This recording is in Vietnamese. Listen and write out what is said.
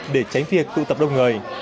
để tránh việc tụ tập đông người